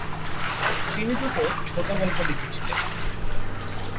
তিনি দুটি ছোট গল্প লিখেছিলেন।